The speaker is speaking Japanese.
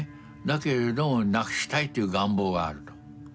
だけれどもなくしたいという願望があると。